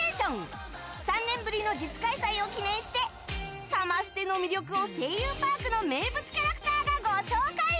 ３年ぶりの実開催を記念してサマステの魅力を「声優パーク」の名物キャラクターがご紹介！